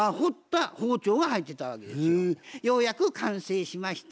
「ようやく完成しました。